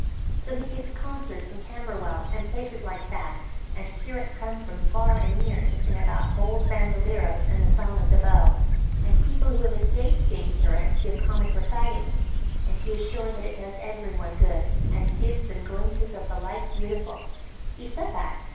So he gives concerts in Camberwell, and places like that, and curates come from far and near, to sing about Bold Bandaleros and the Song of the Bow, and people who have escaped being curates give comic recitings, and he is sure that it does every one good, and "gives them glimpes of the Life Beautiful." He said that.